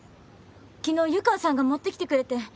昨日湯川さんが持ってきてくれて。